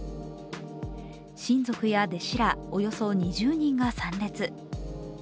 親族や弟子ら、およそ２０人が参列。